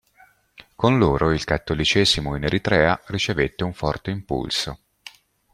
Con loro il Cattolicesimo in Eritrea ricevette un forte impulso.